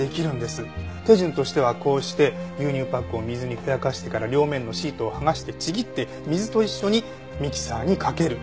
手順としてはこうして牛乳パックを水にふやかしてから両面のシートを剥がしてちぎって水と一緒にミキサーにかける。